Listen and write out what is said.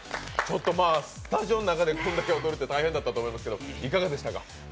スタジオの中でこんだけ踊るって大変だったと思いますけどいかがですか？